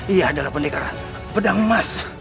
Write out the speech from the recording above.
ia adalah pendekaran pedang emas